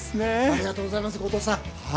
ありがとうございます後藤さん。